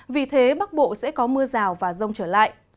vì thế bắc bộ sẽ có mưa rào và rông trở lại